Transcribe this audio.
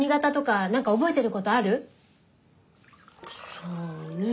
そうねぇ。